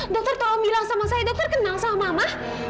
dokter kalau bilang sama saya dokter kenal sama mama